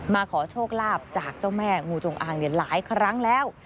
มาขอโชคลาภจากเจ้าแม่งูจงอางหลายครั้งแล้ว